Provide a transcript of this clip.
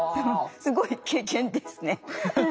すごい経験ですね。